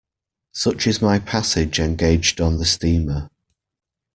Such is my passage engaged on the steamer.